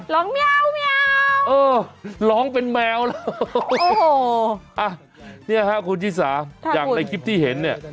ร้องยาวเออร้องเป็นแมวแล้วโอ้โหอ่ะเนี่ยฮะคุณชิสาอย่างในคลิปที่เห็นเนี่ย